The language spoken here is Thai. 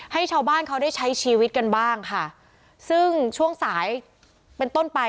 ให้ชาวบ้านเขาได้ใช้ชีวิตกันบ้างค่ะซึ่งช่วงสายเป็นต้นไป